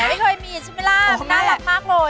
ไม่เคยมีใช่ไหมล่ะน่ารักมากเลย